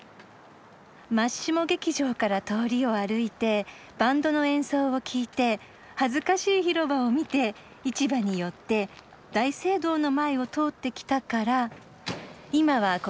マッシモ劇場から通りを歩いてバンドの演奏を聴いて恥ずかしい広場を見て市場に寄って大聖堂の前を通ってきたから今はここね。